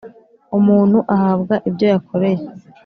umuntu ahabwa ibyo yakoreye